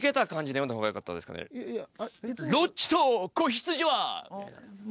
「ロッチと子羊」は！みたいな。